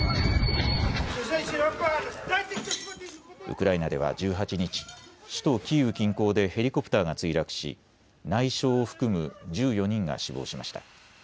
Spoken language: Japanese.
ウクライナでは１８日、首都キーウ近郊でヘリコプターが墜落し内相を含む１４人が死亡しました。